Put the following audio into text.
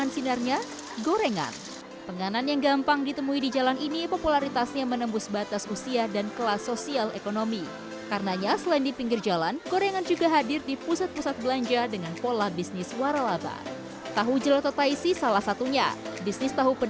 sejak tahun dua ribu